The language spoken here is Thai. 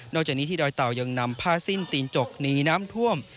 จากนี้ที่ดอยเต่ายังนำผ้าสิ้นตีนจกหนีน้ำท่วม